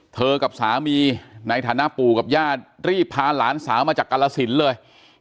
กับสามีในฐานะปู่กับญาติรีบพาหลานสาวมาจากกรสินเลย